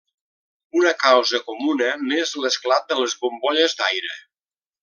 Una causa comuna n'és l'esclat de les bombolles d'aire.